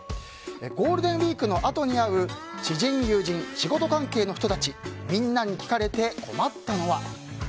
ゴールデンウィークのあとに会う知人、友人、仕事関係の人たちみんなに聞かれて困ったのは。